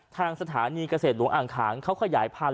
ทางสถานีเกษตรหลวงอ่างขางเขาขยายพันธุ